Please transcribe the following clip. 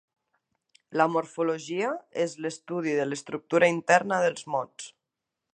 La morfologia és l’estudi de l’estructura interna dels mots.